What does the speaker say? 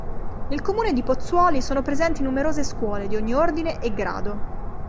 Nel comune di Pozzuoli sono presenti numerose scuole di ogni ordine e grado.